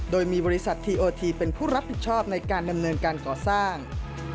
โดยมีบริษัททีโอทีเป็นผู้รับผิดชอบในการดำเนินการก่อสร้าง